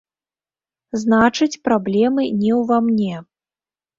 Значыць, праблемы не ўва мне.